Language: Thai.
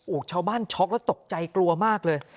ชาวบ้านช็อกแล้วตกใจกลัวมากเลย